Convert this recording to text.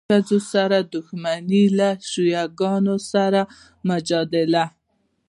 له ښځو سره دښمني، له شیعه ګانو سره مجادله.